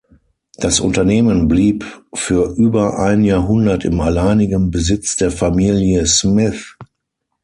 Das Unternehmen blieb für über ein Jahrhundert im alleinigen Besitz der Familie Smith.